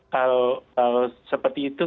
kalau seperti itu